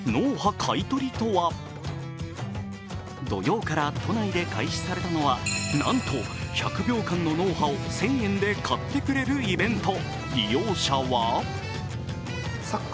土曜から都内で開始されたのはなんと１００秒間の脳波を１０００円で買ってくれるイベント。